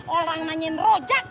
orang nanyain rojak